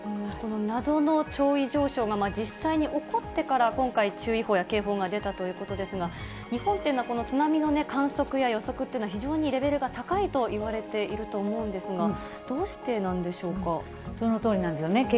この謎の潮位上昇が、実際に起こってから、今回、注意報や警報が出たということですが、日本っていうのは、この津波の観測や予測というのは、非常にレベルが高いといわれていると思うんですが、どうしてなんそのとおりなんですよね。